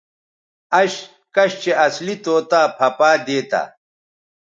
اش کش چہء اصلی طوطا پھہ پائ دیتہ